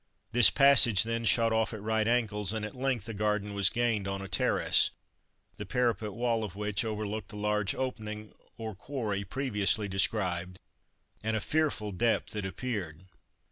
This passage then shot off at right angles, and at length a garden was gained on a terrace, the parapet wall of which overlooked the large opening or quarry previously described; and a fearful depth it appeared.